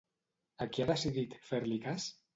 A qui ha decidit fer-li cas?